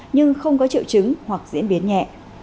nhưng không có triệu chứng hoặc diễn biến nhẹ